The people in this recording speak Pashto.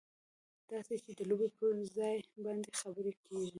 داسې چې د لوبې پر ځای باندې خبرې کېږي.